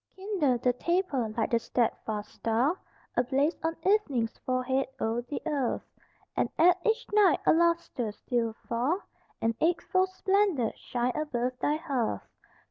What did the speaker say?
Kindle the taper like the steadfast star Ablaze on evening's forehead o'er the earth, And add each night a lustre till afar An eightfold splendor shine above thy hearth.